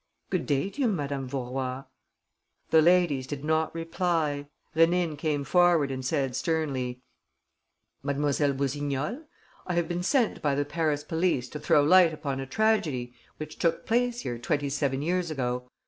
"Good day to you, Madame Vaurois." The ladies did not reply. Rénine came forward and said, sternly: "Mlle. Boussignol, I have been sent by the Paris police to throw light upon a tragedy which took place here twenty seven years ago.